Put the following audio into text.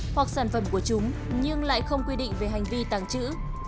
hoặc sản phẩm của chúng nhưng lại không quy định về hành vi tàng trữ